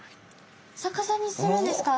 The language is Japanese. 逆さにするんですか？